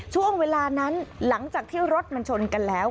ช่วงเวลานั้นหลังจากที่รถมันชนกันแล้ว